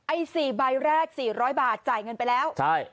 ไอ้๔ใบแรก๔๐๐บาทจ่ายเงินไปแล้วใช่